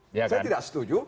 saya tidak setuju